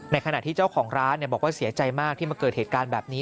ขณะที่เจ้าของร้านบอกว่าเสียใจมากที่มาเกิดเหตุการณ์แบบนี้